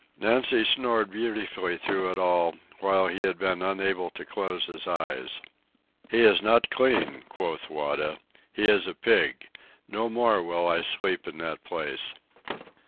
Nancy snored beautifully through it all, while he had been unable to close his eyes. "He is not clean," quoth Wada. "He is a pig. No more will I sleep in that place."